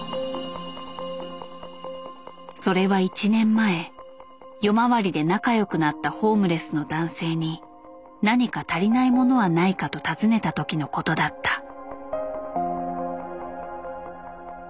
それは１年前夜回りで仲良くなったホームレスの男性に「何か足りないものはないか」と尋ねた時のことだった。